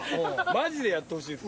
マジでやってほしいです